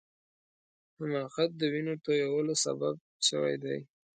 حماقت د وینو تویولو سبب سوی دی.